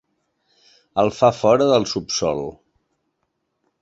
El fa fora del subsòl.